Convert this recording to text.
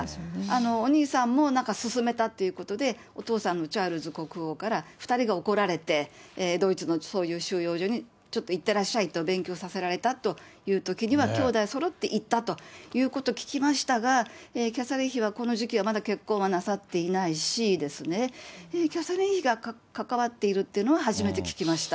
お兄さんもなんか勧めたということで、お父さんのチャールズ国王から２人が怒られて、ドイツのそういう収容所にちょっと行ってらっしゃいと勉強させられたというときには、兄弟そろって行ったということを聞きましたが、キャサリン妃はこの時期はまだ結婚はなさっていないし、キャサリン妃が関わっているっていうのは、初めて聞きました。